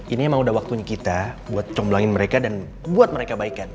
ini emang udah waktunya kita buat comblangin mereka dan buat mereka baikkan